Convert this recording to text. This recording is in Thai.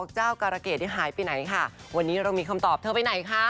อเจ้าการะเกรดยังหายไปไหนนะฮะวันนี้เรามีคำตอบเธอไปไหนค่ะ